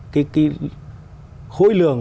cái khối lường